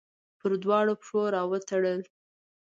پر دواړو پښو راوتړل